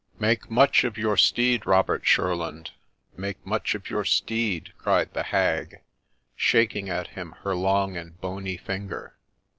' Make much of your steed, Robert Shurland ! Make much of your steed !' cried the hag, shaking at him her long and bony finger.